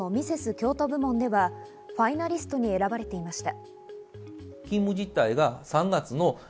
京都部門ではファイナリストに選ばれていました。